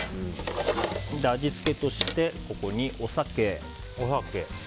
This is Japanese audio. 味付けとしてここにお酒。